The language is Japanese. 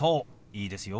いいですよ。